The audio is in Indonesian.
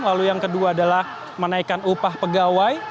lalu yang kedua adalah menaikkan upah pegawai